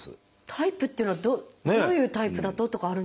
タイプっていうのはどういうタイプだととかあるんですか？